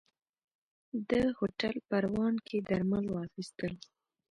ده هوټل پروان کې درمل واخيستل.